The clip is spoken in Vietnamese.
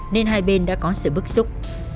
nên hai bên đã có sự bức xúc